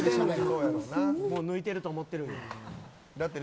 もう抜いてると思ってる。